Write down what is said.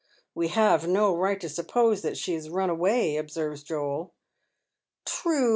" We have no right to suppose that she has mn away,' observes Joel. " True.